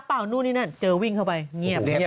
ก่อนหน้านี้ที่ตีปริงปองอ่ะไปแข่งซีเกมอ่ะ